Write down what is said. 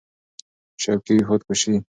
شوقي خود کشي